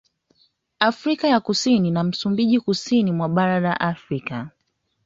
Afrika ya Kusini na Msumbiji Kusini mwa Bara la Afrika